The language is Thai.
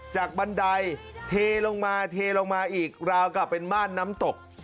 บันไดเทลงมาเทลงมาอีกราวกลับเป็นม่านน้ำตก